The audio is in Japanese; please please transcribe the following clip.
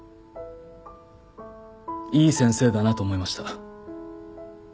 いい先生だなと思いました。